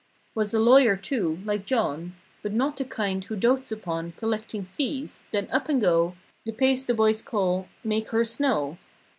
237 Was a lawyer, too, like John But not the kind who dotes upon Collecting fees; then up and go The pace the boys call—"Make her snow.